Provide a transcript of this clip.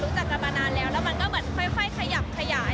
รู้จักกันมานานแล้วแล้วมันก็เหมือนค่อยขยับขยาย